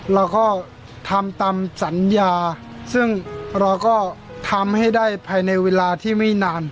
เราก็ทำตามสัญญาซึ่งเราก็ทำให้ได้ภายในเวลาที่ไม่นาน